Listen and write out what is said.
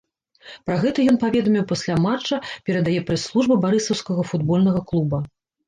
Пра гэта ён паведаміў пасля матча, перадае прэс-служба барысаўскага футбольнага клуба.